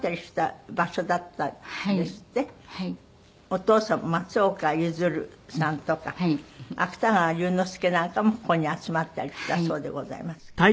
お父様松岡譲さんとか芥川龍之介なんかもここに集まったりしたそうでございますけど。